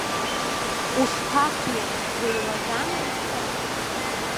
Ушԥахиам, уеилагама, мшәан?!